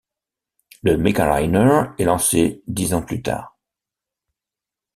Le Megaliner est lancé dix ans plus tard.